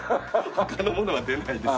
他のものは出ないです。